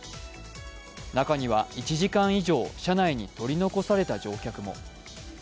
中には、１時間以上車内に取り残された乗客も。